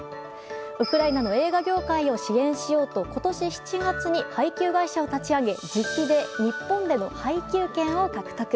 ウクライナの映画業界を支援しようと、今年７月配給会社を立ち上げ自費で日本での配給権を獲得。